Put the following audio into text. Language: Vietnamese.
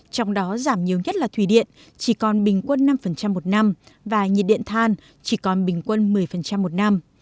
trong đó giảm nhiều nhất là thủy điện chỉ còn bình quân năm một năm và nhiệt điện than chỉ còn bình quân một mươi một năm